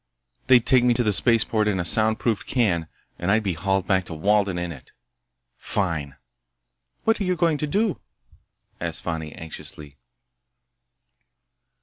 They'd take me to the spaceport in a sound proofed can and I'd be hauled back to Walden in it. Fine!" "What are you going to do?" asked Fani anxiously.